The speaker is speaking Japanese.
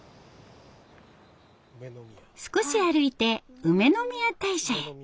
少し歩いて梅宮大社へ。